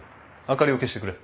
明かりを消してくれ。